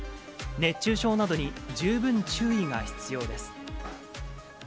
熱中症などに十分注意が必要です。